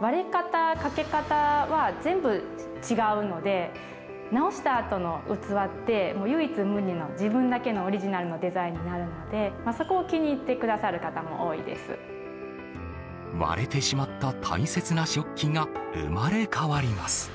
割れ方、欠け方は全部違うので、直したあとの器って、唯一無二の自分だけのオリジナルのデザインになるので、そこを気割れてしまった大切な食器が生まれ変わります。